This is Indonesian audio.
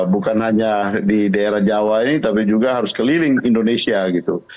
bukan hanya di daerah jawa ini tapi juga harus keliling indonesia gitu